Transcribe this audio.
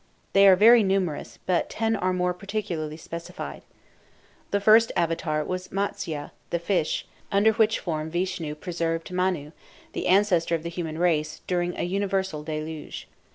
They are very numerous, but ten are more particularly specified. The first Avatar was as Matsya, the Fish, under which form Vishnu preserved Manu, the ancestor of the human race, during a universal deluge.